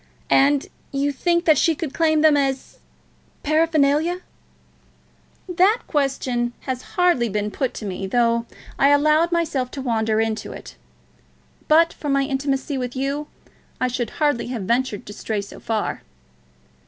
"And you think that she could claim them as paraphernalia?" "That question has hardly been put to me, though I allowed myself to wander into it. But for my intimacy with you, I should hardly have ventured to stray so far."